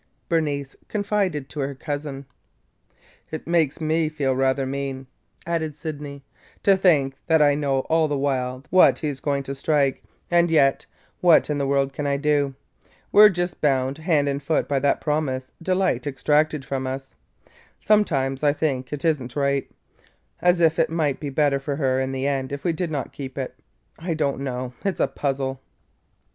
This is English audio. Bernice confided to her cousin. "It makes me feel rather mean," added Sydney, "to think I know all the while what he 's going to strike, and yet what in the world can I do? We 're just bound hand and foot by that promise Delight extracted from us. Sometimes I think it is n't right, – as if it might be better for her in the end if we did not keep it. I don't know; it 's a puzzle!"